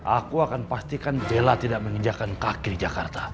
aku akan pastikan bella tidak menginjakan kaki di jakarta